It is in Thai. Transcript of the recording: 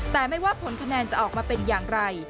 แต่ไม่ว่าผลคะแนนจะออกมาเป็นอย่างไร